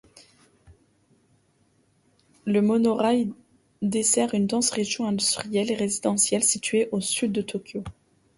Le monorail dessert une dense région industrielle et résidentielle située au sud de Tokyo.